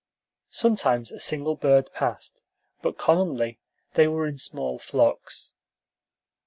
Sometimes a single bird passed, but commonly they were in small flocks.